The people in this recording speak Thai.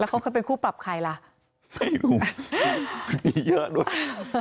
เขาเคยเป็นคู่ปรับใครล่ะไม่รู้มีเยอะด้วย